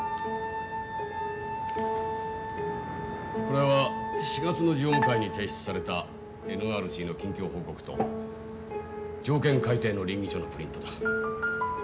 これは４月の常務会に提出されたＮＲＣの近況報告と条件改訂のりん議書のプリントだ。